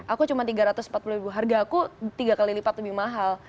aku cuma tiga ratus empat puluh ribu harga aku tiga kali lipat lebih mahal